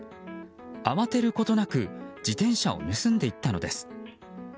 慌てることなく自転車を盗んでいったのです。